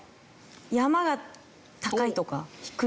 山が高いとか低いとか。